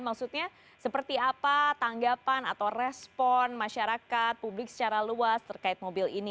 maksudnya seperti apa tanggapan atau respon masyarakat publik secara luas terkait mobil ini